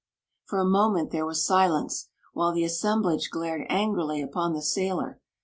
'" For a moment there was silence, while the assem blage glared angrily upon the sailor.